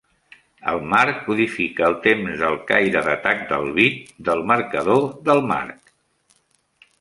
El marc codifica el temps del caire d'atac del bit del marcador del marc.